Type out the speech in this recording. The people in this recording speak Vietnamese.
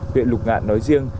viện lục ngạn nói riêng